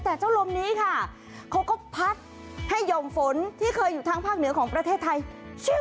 แต่เจ้าลมนี้ค่ะเขาก็พัดให้หย่อมฝนที่เคยอยู่ทางภาคเหนือของประเทศไทย